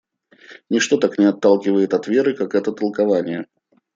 Ничто так не отталкивает от веры, как это толкование.